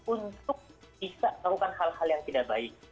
untuk bisa lakukan hal hal yang tidak baik